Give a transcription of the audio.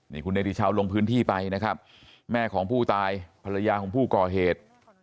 นี่คุณเนธิชาวลงพื้นที่ไปนะครับแม่ของผู้ตายภรรยาของผู้ก่อเหตุ